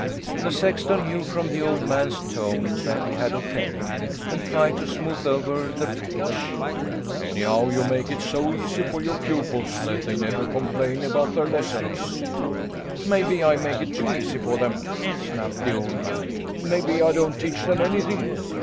The sexton knew from the old man's tone that he had offended him, and tried to smooth over the breach. "Anyhow you make it so easy for your pupils that they never complain about their lessons." "Maybe I make it too easy for them?" snapped the old man. "Maybe I don't teach them anything?"